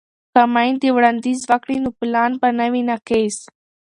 که میندې وړاندیز وکړي نو پلان به نه وي ناقص.